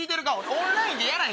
オンラインでやらへん。